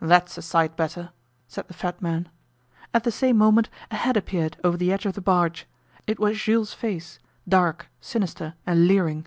'That's a sight better,' said the fat man. At the same moment a head appeared over the edge of the barge. It was Jules' face dark, sinister and leering.